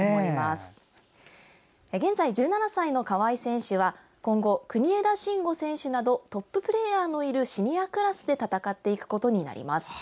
現在１７歳の川合選手は今後国枝慎吾選手などトッププレーヤーのいるシニアクラスで戦っていくことになります。